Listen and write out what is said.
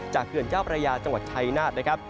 เขื่อนเจ้าพระยาจังหวัดชัยนาธนะครับ